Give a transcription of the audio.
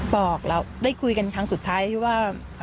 บอกเราได้คุยกันครั้งสุดท้ายที่ว่า